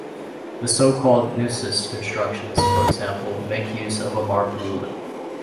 The so-called neusis constructions, for example, make use of a "marked" ruler.